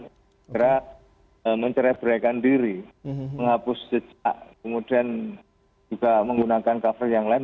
segera mencereberaikan diri menghapus jejak kemudian juga menggunakan cover yang lain